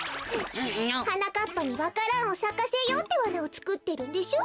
はなかっぱにわか蘭をさかせようってわなをつくってるんでしょう。